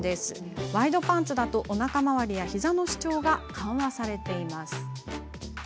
ワイドパンツだと、おなか回りやヒザの主張が緩和されています。